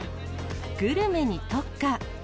グルメに特化。